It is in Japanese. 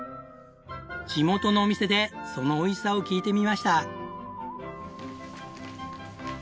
地元のお店でそのおいしさを聞いてみました。